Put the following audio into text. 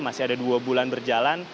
masih ada dua bulan berjalan